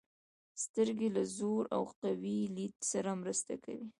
• سترګې د ژور او قوي لید سره مرسته کوي.